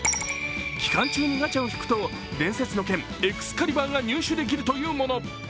期間中にガチャを引くと伝説の剣・エクスカリバーが入手できるというもの。